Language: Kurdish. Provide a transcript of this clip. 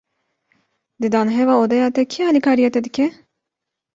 Di danheva odeya te de, kî alîkariya te dike?